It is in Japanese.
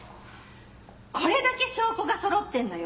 これだけ証拠がそろってんのよ。